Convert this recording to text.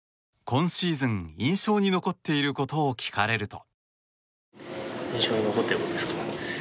今シーズン印象に残っていることを聞かれると。